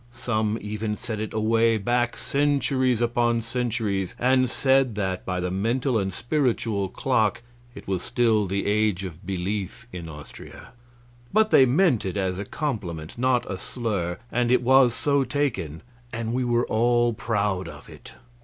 Some even set it away back centuries upon centuries and said that by the mental and spiritual clock it was still the Age of Belief in Austria. But they meant it as a compliment, not a slur, and it was so taken, and we were all proud of it.